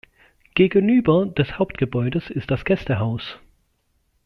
Gegenüber des Hauptgebäudes ist das Gästehaus.